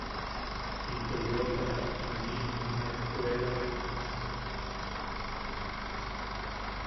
Into yootaka juniʼi jume ejkuelame.